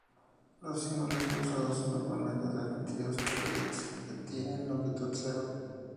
Los símbolos no usados son normalmente transmitidos como bits que tienen longitud cero.